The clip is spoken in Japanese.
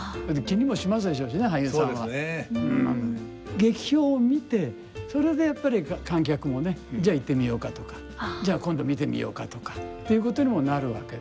劇評を見てそれでやっぱり観客もね「じゃあ行ってみようか」とか「じゃあ今度見てみようか」とかということにもなるわけで。